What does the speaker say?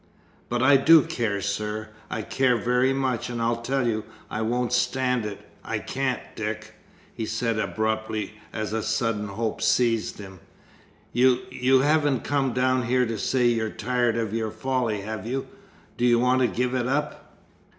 "But I do care, sir. I care very much, and, I tell you, I won't stand it. I can't! Dick," he said abruptly as a sudden hope seized him. "You, you haven't come down here to say you're tired of your folly, have you? Do you want to give it up?"